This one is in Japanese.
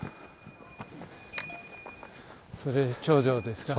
それ頂上ですか？